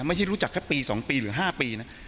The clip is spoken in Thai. ไม่ใช่รู้จักแค่ปี๒ปีหรือ๕ปีนะ